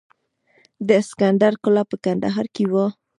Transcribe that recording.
د اسکندر کلا په کندهار کې وه